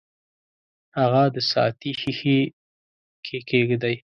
هغه د ساعتي ښيښې کې کیږدئ.